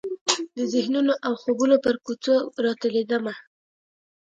د ذهنونو او خوبونو پر کوڅو راتیریدمه